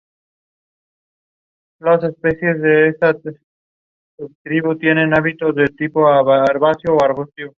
Algunas campanas Tipo A fueron equipadas con las nuevas troneras.